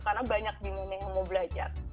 karena banyak dimana yang mau belajar